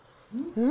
うん？